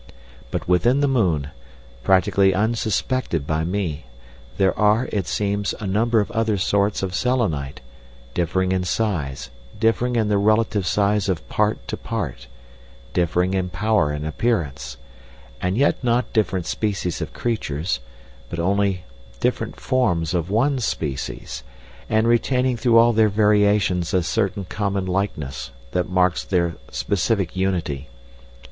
But within the moon, practically unsuspected by me, there are, it seems, a number of other sorts of Selenite, differing in size, differing in the relative size of part to part, differing in power and appearance, and yet not different species of creatures, but only different forms of one species, and retaining through all their variations a certain common likeness that marks their specific unity.